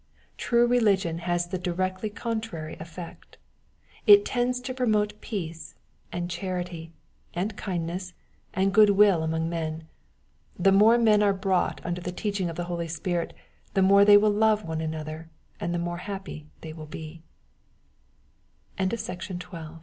True religion has the directly contrary effect. It tends to promote peace, and charity, ^and kindness, and good will among men. The more men are brought under the teaching of the Holy Spirit, the more they will love ono another, and the more happy the